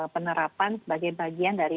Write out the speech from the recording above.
penerapan bagian bagian dari